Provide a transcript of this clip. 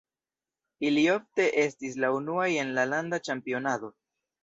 Ili ofte estis la unuaj en la landa ĉampionado.